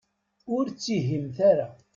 Ur ttihiyemt ara.